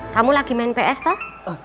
kamu lagi main ps toh